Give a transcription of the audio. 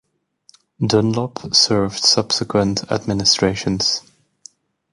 Dunlop served subsequent administrations.